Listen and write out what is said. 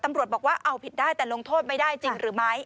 ตำรวจบอกว่าเอาผิดได้แต่ลงโทษไม่ได้จริงหรือไม่